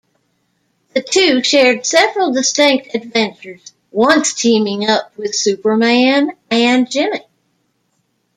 The two shared several distinct adventures, once teaming up with Superman and Jimmy.